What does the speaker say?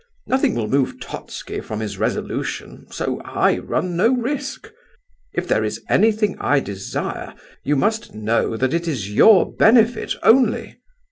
Nothing will move Totski from his resolution, so I run no risk. If there is anything I desire, you must know that it is your benefit only.